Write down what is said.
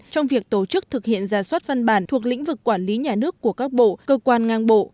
trong việc tổ chức thực hiện ra soát văn bản thuộc lĩnh vực quản lý nhà nước của các bộ cơ quan ngang bộ